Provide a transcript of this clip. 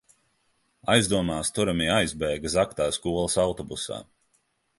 Aizdomās turamie aizbēga zagtā skolas autobusā.